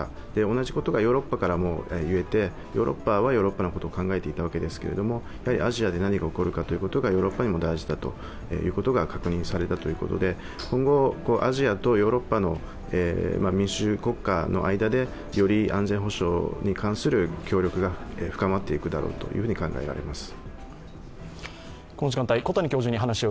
同じことがヨーロッパからも言えてヨーロッパはヨーロッパのことを考えていたわけですけれども、アジアで何が起こるかということがヨーロッパにも大事だということが確認されたということで今後、アジアとヨーロッパの民主国家の間でより安全保障に関する協力が深まっていくだろうと考えられます。